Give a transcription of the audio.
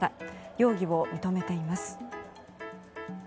容疑を認めています。